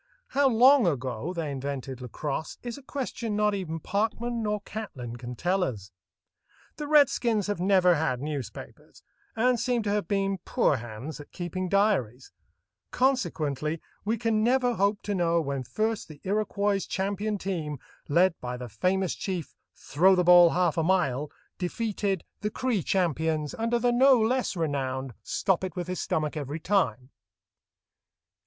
How long ago they invented lacrosse is a question not even Parkman nor Catlin can tell us. The redskins have never had newspapers, and seem to have been poor hands at keeping diaries; consequently we can never hope to know when first the Iroquois champion team, led by the famous chief "Throw the ball half a mile," defeated the Cree champions under the no less renowned "Stop it with his stomach every time."